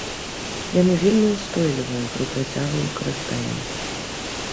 Яны вельмі ўстойлівыя пры працяглым карыстанні.